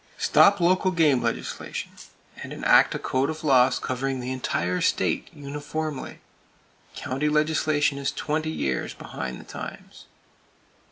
Stop local game legislation, and enact a code of laws covering the entire state, uniformly. County legislation is twenty years behind the times!